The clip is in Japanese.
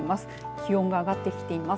気温が上がってきています。